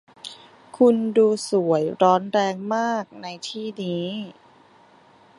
คุณดูสวยร้อนแรงมากในที่นี้